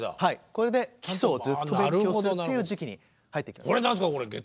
これで基礎をずっと勉強するっていう時期に入っていきます。